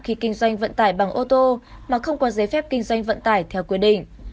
khi kinh doanh vận tải bằng ô tô mà không có giấy phép kinh doanh vận tải theo quy định